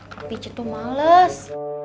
tapi ce tuh males